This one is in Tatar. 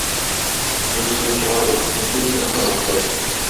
Мин сине чыгардым, ә син мине ашарга теләдең.